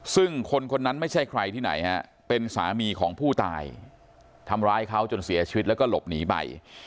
ซึ่งคนคนนั้นไม่ใช่ใครที่ไหนฮะเป็นสามีของผู้ตายทำร้ายเขาจนเสียชีวิตแล้วก็หลบหนีไป